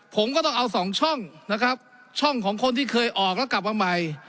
ผมก็ต้องเอาสองช่องนะครับช่องของคนที่เคยออกแล้วกลับมาใหม่